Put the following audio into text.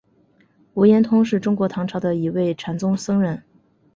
无言通是中国唐朝的一位禅宗僧人。